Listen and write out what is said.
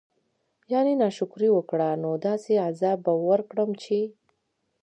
يعني نا شکري وکړه نو داسي عذاب به ورکړم چې